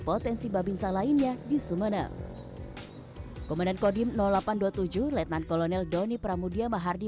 potensi babinsa lainnya di sumeneb komandan kodim delapan ratus dua puluh tujuh letnan kolonel doni pramudia mahardi